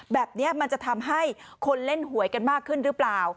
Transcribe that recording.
แบบนี้มันจะทำให้คนเล่นหวยกันมากขึ้นหรือเปล่า